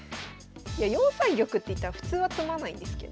いや４三玉っていったら普通は詰まないんですけど。